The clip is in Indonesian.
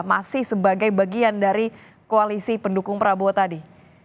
masih sebagai bagian dari koalisi pendukung prabowo tadi